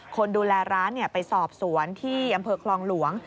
คนดูแลร้านไปสอบสวนที่อำเภอคลองหลวง